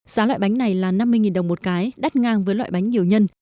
giá loại bánh này là năm mươi đồng một cái đắt ngang với loại bánh nhiều nhân